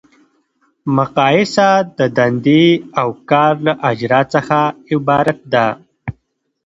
مقایسه د دندې او کار له اجرا څخه عبارت ده.